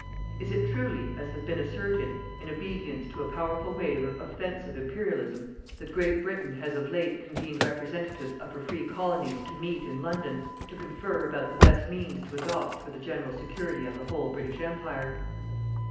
Is it truly, as has been asserted, in obedience to a powerful wave of "OFFENSIVE IMPERIALISM" that Great Britain has of late convened representatives of her free Colonies to meet, in London, to confer about the best means to adopt for the general security of the whole British Empire?